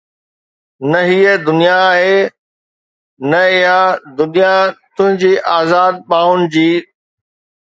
نه هيءَ دنيا آهي نه اها دنيا تنهنجي آزاد ٻانهن جي